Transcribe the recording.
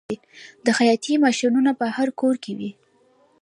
د خیاطۍ ماشینونه په هر کور کې وي